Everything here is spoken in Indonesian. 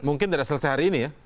mungkin tidak selesai hari ini ya